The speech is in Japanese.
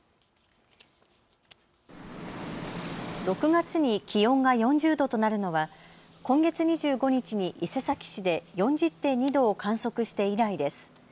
６月に気温が４０度となるのは今月２５日に伊勢崎市で４０．２度を観測して以来です。